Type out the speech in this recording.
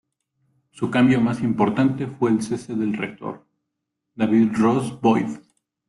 Su cambio más importante fue el cese del rector, David Ross Boyd.